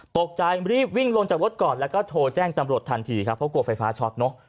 ตกใจรีบวิ่งลงจากรถก่อนแล้วก็โทรแจ้งตำรวจทันทีครับเพราะกลัวไฟฟ้าช็อตเนอะ